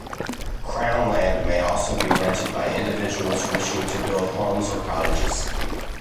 Crown Land may also be rented by individuals wishing to build homes or cottages.